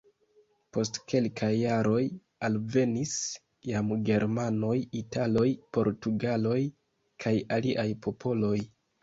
Post kelkaj jaroj alvenis jam germanoj, italoj, portugaloj kaj aliaj popoloj.